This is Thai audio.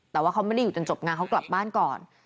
แต่ว่าเขาไม่ได้อยู่จนจบงานเขากลับบ้านก่อน